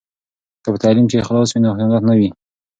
که په تعلیم کې اخلاص وي نو خیانت نه وي.